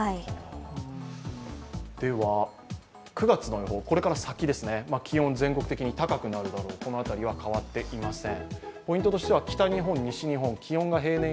９月の予報、これから先ですね、気温、全国的に高くなるだろう、この辺りは変わっていません。